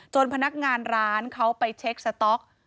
พนักงานร้านเขาไปเช็คสต๊อก